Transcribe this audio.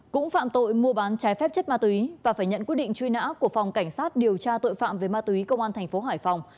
cũng phạm tội mua bán trái phép chất ma túy và phải nhận quyết định truy nã của phòng cảnh sát điều tra tội phạm về ma túy công an thành phố hải phòng